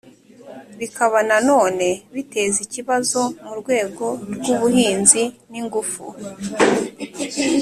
bikaba na none biteza ibibazo mu rwego rw'ubuhinzi n'ingufu.